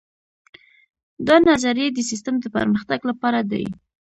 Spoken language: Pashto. دا نظریې د سیسټم د پرمختګ لپاره دي.